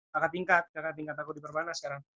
kakak tingkat kakak tingkat aku di perbanas sekarang